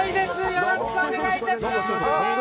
よろしくお願いします。